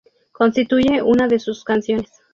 Constituye una de sus canciones.